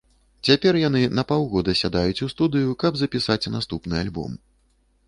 Цяпер яны на паўгода сядаюць у студыю, каб запісаць наступны альбом.